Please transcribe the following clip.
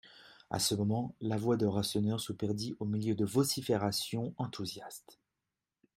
A ce moment, la voix de Rasseneur se perdit au milieu de vociférations enthousiastes.